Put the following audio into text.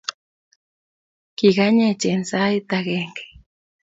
Kiganyech eng sait agenge